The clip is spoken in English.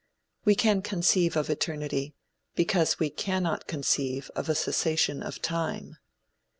We can conceive of eternity, because we cannot conceive of a cessation of time.